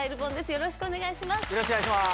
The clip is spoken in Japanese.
よろしくお願いします。